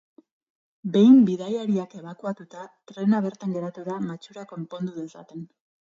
Behin bidaiariak ebakuatuta, trena bertan geratu da, matxura konpondu dezaten.